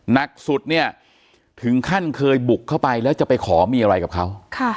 หนักสุดเนี่ยถึงขั้นเคยบุกเข้าไปแล้วจะไปขอมีอะไรกับเขา